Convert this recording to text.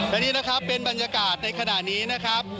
และนี่นะครับเป็นบรรยากาศในขณะนี้นะครับ